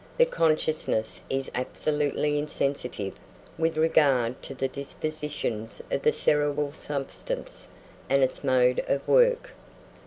The consciousness is absolutely insensitive with regard to the dispositions of the cerebral substance and its mode of work.